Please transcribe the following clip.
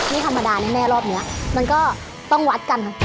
นี่ธรรมดาแน่รอบนี้มันก็ต้องวัดกัน